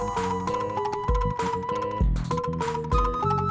ya lu bahan uyuran